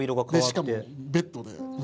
でしかもベッドで。